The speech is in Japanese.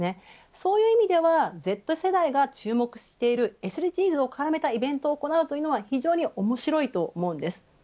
そういう意味ではＺ世代が注目しているＳＤＧｓを絡めたイベントは非常に面白いと思います。